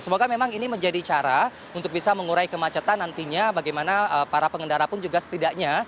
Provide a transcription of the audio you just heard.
semoga memang ini menjadi cara untuk bisa mengurai kemacetan nantinya bagaimana para pengendara pun juga setidaknya